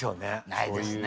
ないですね。